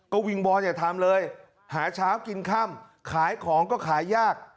ก็วิงวอนอย่าทำเลยหาเช้ากินค่ำขายของก็ขายยาก